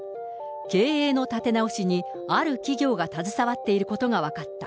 経営の立て直しにある企業が携わっていることが分かった。